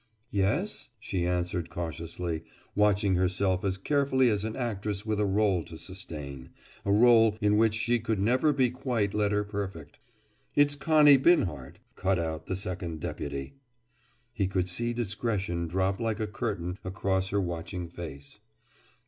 "Yes?" she answered cautiously, watching herself as carefully as an actress with a rôle to sustain, a rôle in which she could never be quite letter perfect. "It's Connie Binhart," cut out the Second Deputy. He could see discretion drop like a curtain across her watching face.